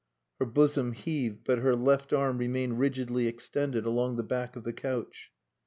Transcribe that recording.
Her bosom heaved, but her left arm remained rigidly extended along the back of the couch.